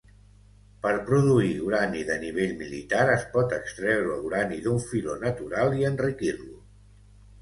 Per produir urani de nivell militar es pot extreure urani d'un filó natural i enriquir-lo.